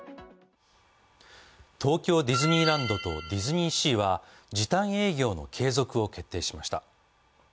東京ディズニーランドとディズニーシーは時短営業の継続を決定しました。